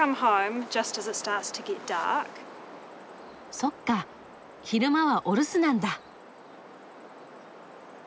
そっか昼間はお留守なんだ。